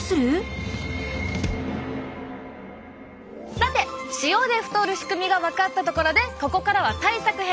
さて塩で太る仕組みが分かったところでここからは対策編！